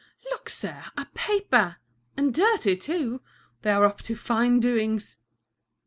"Look, sir, a paper, and dirty, too! They are up to fine doings!"